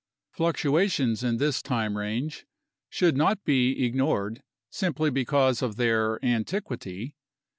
Fluctuations in this time range should not be ignored simply because of their antiquity.